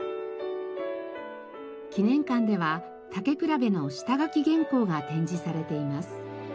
記念館では『たけくらべ』の下書き原稿が展示されています。